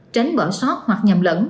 tránh bỏ sốt hoặc nhầm lẫn